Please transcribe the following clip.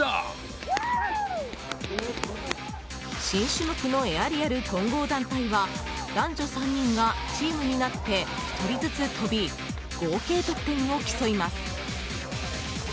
新種目のエアリアル混合団体は男女３人がチームになって１人ずつ跳び合計得点を競います。